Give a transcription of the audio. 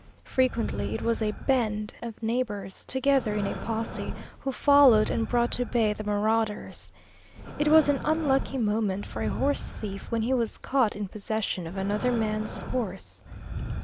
Frequently it was a band of neighbors, together in a posse, who followed and brought to bay the marauders. It was an unlucky moment for a horse thief when he was caught in possession of another man's horse.